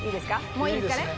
もういいですかね？